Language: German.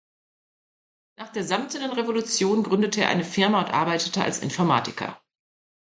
Nach der Samtenen Revolution gründete er eine Firma und arbeitete als Informatiker.